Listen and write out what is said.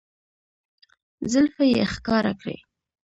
زلفې يې ښکاره کړې